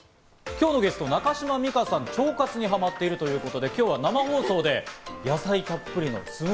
今日のゲスト・中島美嘉さん、腸活にハマってるということで、今日は生放送で野菜たっぷりのス